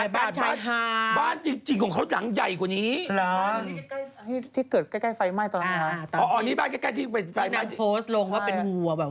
บ้านตักอากาศบ้านจริงของเขาดูหนังใหญ่กว่านี้